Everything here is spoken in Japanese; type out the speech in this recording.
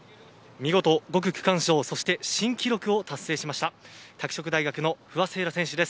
見事５区区間賞そして新記録を達成しました拓殖大学の不破聖衣来選手です。